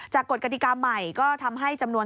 จากกฎการ์มไหนก็ทำให้จำนวน